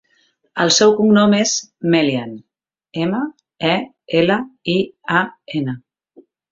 El seu cognom és Melian: ema, e, ela, i, a, ena.